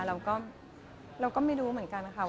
เราก็ไม่รู้เหมือนกันนะคะ